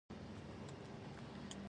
مجرم به له پورته څخه لاندې راګوزار کېده.